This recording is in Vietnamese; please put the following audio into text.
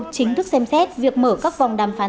chính thức xem xét việc mở các vòng đàm phán